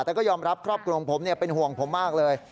แต่ก็ยอมรับครอบครัวของผมเป็นห่วงผมมากเลย